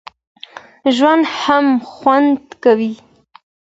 ژوند هم خوند کوي.